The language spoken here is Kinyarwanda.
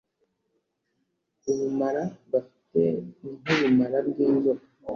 ubumara bafite ni nk'ubumara bw'inzoka